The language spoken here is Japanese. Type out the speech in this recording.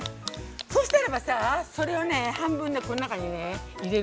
そしたらばさ、それを半分、この中に入れる。